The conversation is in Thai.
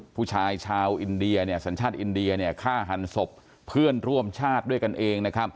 ผู้ชายชาวอินเดียสัญชาติอินเดียฆ่าหันศพเพื่อนร่วมชาติด้วยกันเองนะครับ